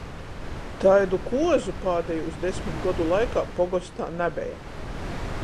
Taidu kuozu pādejūs desmit godu laikā pogostā nabeja.